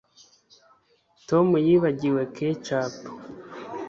Tom yibagiwe ketchup